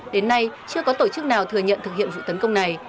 đến nay chưa có tổ chức nào thừa nhận thực hiện vụ tấn công này